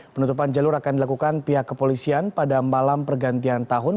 penutupan jalur akan dilakukan pihak kepolisian pada malam pergantian tahun